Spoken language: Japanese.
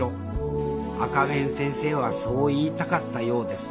赤ゲン先生はそう言いたかったようです。